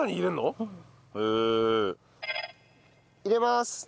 入れまーす。